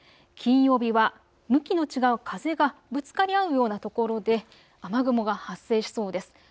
金曜日は向きの違う風がぶつかり合うようなところで雨雲が発生しそうです。